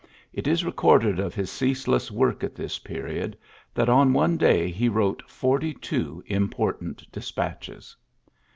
It is recorded of I his ceaseless work at this period, that on ione day he wrote forty two imi>ortant despatches.